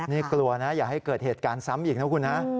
นี่กลัวนะอย่าให้เกิดเหตุการณ์ซ้ำอีกนะคุณฮะ